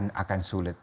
menurut saya akan sulit